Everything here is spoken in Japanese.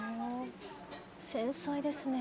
繊細ですね。